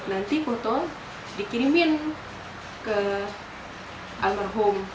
nanti foto dikirimin ke almarhum